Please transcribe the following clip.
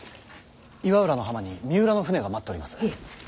岩浦の浜に三浦の舟が待っております。